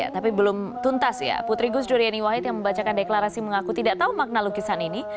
tapi belum tuntas ya putri gus dur yeni wahid yang membacakan deklarasi mengaku tidak tahu makna lukisan ini